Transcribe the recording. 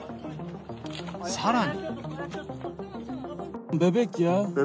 さらに。